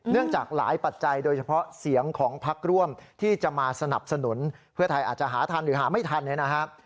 จากหลายปัจจัยโดยเฉพาะเสียงของพักร่วมที่จะมาสนับสนุนเพื่อไทยอาจจะหาทันหรือหาไม่ทันเนี่ยนะครับ